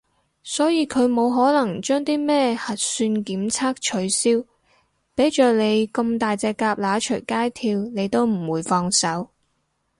所以佢冇可能將啲咩核算檢測取消，畀着你咁大隻蛤乸隨街跳你都唔會放手